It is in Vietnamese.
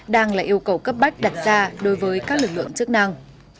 đang là yêu cầu cấp bách đặt ra đối với các lực lượng chức năng